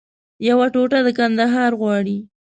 یوه ټوټه د کندهار غواړي